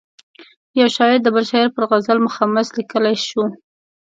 یو شاعر د بل شاعر پر غزل مخمس لیکلای شو.